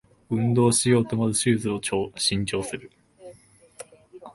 運動しようとまずはシューズを新調する